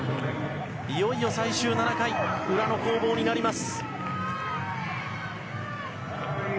いよいよ最終７回裏の攻防になります。